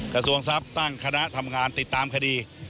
กระทรวงทรัพย์ตั้งคณะทำงานติดตามคดี